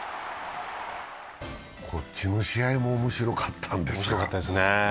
こっちの試合も面白かったんです。